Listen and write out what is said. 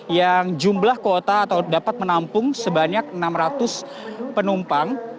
yang jumlah kuota atau dapat menampung sebanyak enam ratus penumpang